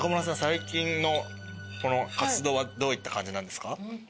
最近の活動はどういった感じなんですか？